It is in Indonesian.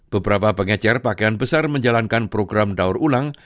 beberapa pengecer pakaian besar menjalankan program daur ulang